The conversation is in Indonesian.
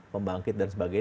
pembangkit dan sebagainya